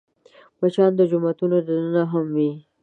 مچان د جوماتونو دننه هم وي